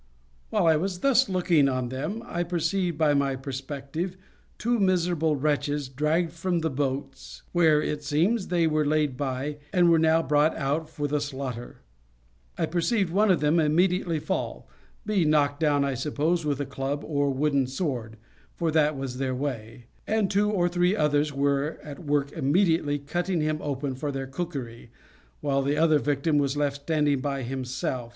While I was thus looking on them, I perceived, by my perspective, two miserable wretches dragged from the boats, where, it seems, they were laid by, and were now brought out for the slaughter. I perceived one of them immediately fall, being knocked down, I suppose, with a club or wooden sword, for that was their way; and two or three others were at work immediately, cutting him open for their cookery, while the other victim was left standing by himself, till they should be ready for him.